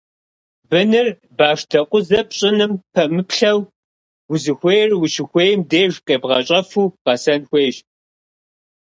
Быныр, башдэкъузэ пщӀыным пэмыплъэу, узыхуейр ущыхуейм деж къебгъэщӀэфу гъэсэн хуейщ.